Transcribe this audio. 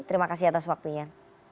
terima kasih atas waktunya